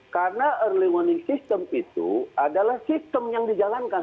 karena early warning system itu adalah sistem yang dijalankan